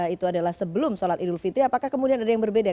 itu adalah sebelum sholat idul fitri apakah kemudian ada yang berbeda